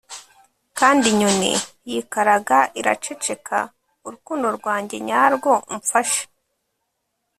kandi inyoni yikaraga iraceceka. urukundo rwanjye nyarwo, umfashe.